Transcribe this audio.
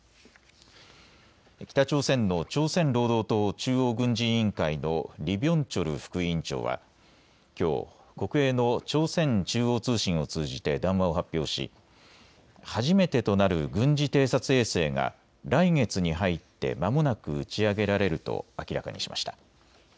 北朝鮮の朝鮮労働党中央軍事委員会のリ・ビョンチョル副委員長はきょう、国営の朝鮮中央通信を通じて談話を発表し初めてとなる軍事偵察衛星が来月に入ってまもなく打ち上げられると明らかにしました。